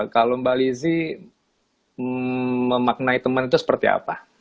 kalau mbak lizzie memaknai teman itu seperti apa